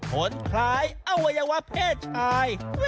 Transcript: ผลคล้ายอวัยวะเพศชาย